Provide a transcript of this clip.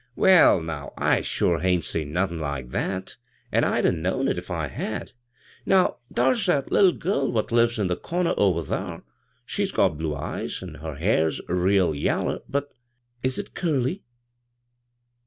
" Well now I sure hain't seen nothiu' like that — an' I'd 'a' known it if I had I Now thar's that little gal what lives in the comer over thar — she's got blue eyes, an' her hair's real yaller; but "" Is it curly